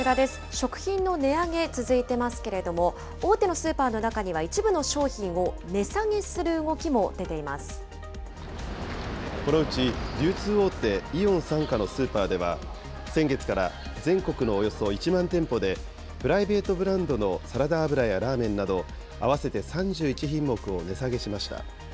食品の値上げ続いていますけれども、大手のスーパーの中には一部の商品を値下げする動きも出ていこのうち流通大手、イオン傘下のスーパーでは、先月から全国のおよそ１万店舗で、プライベートブランドのサラダ油やラーメンなど合わせて３１品目を値下げしました。